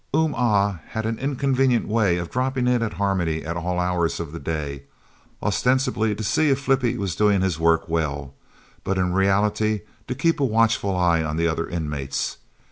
"Um Ah" had an inconvenient way of dropping in at Harmony at all hours of the day, ostensibly to see if Flippie was doing his work well, but in reality to keep a watchful eye on the other inmates.